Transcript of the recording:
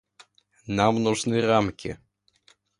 Нам нужны рамки.